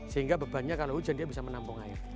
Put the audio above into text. sehingga bebannya kalau hujan dia bisa menampung air